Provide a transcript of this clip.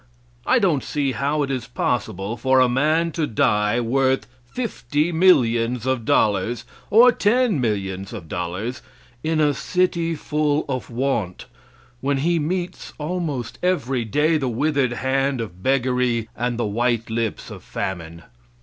I don't see how it is possible for a man to die worth fifty millions of dollars, or ten millions of dollars, in a city full of want, when he meets almost every day the withered hand of beggary and the white lips of famine.